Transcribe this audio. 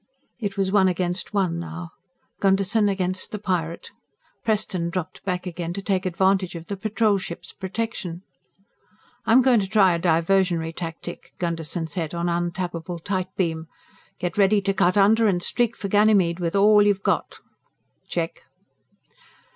It was one against one, now Gunderson against the pirate. Preston dropped back again to take advantage of the Patrol ship's protection. "I'm going to try a diversionary tactic," Gunderson said on untappable tight beam. "Get ready to cut under and streak for Ganymede with all you got." "Check."